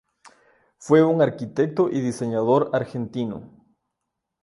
Fue un arquitecto y diseñador argentino.